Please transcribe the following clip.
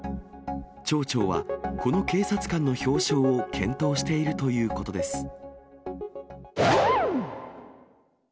町長はこの警察官の表彰を検討しているということです。